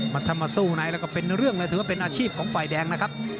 ถ้ามาสู้ในแล้วก็เป็นเรื่องเลยถือว่าเป็นอาชีพของฝ่ายแดงนะครับ